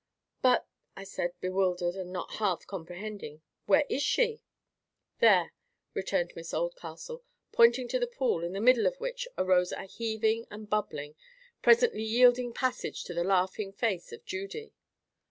"But," I said, bewildered, and not half comprehending, "where is she?" "There," returned Miss Oldcastle, pointing to the pool, in the middle of which arose a heaving and bubbling, presently yielding passage to the laughing face of Judy.